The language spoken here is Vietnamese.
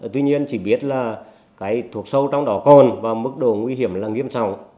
tuy nhiên chỉ biết là cái thuốc sâu trong đó còn và mức độ nguy hiểm là nghiêm sầu